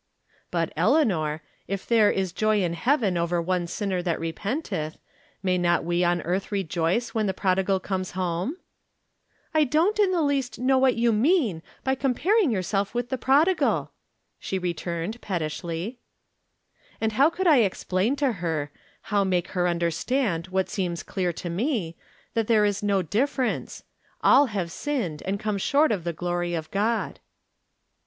" But, Eleanor, if ' there is joy in heaven over one sinner that repenteth,' may not we on earth rejoice when the prodigal comes home ?"" I don't, in the least, know what you mean by comparing yourself with the prodigal," she re turned, pettishly. 104 ^rom Different Standpoints. And how could I explain to her — how make her understand what seems clear to me, that there is no difference —" All have sinned, and come short of the glory of God."